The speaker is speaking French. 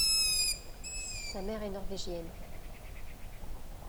Sa mère est norvégienne.